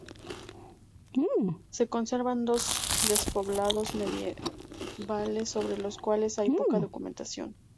Se conservan dos despoblados medievales sobre los cuales hay poca documentación.